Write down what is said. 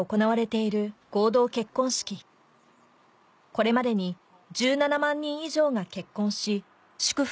これまでに１７万人以上が結婚し祝福